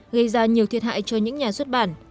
gây ra nhiều thiệt hại cho những nhà xuất bản